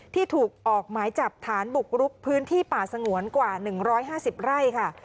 ที่ถูกออกหมายจับฐานบุกรุกพื้นที่ป่าสงวนกว่า๑๕๐ไร่ค่ะ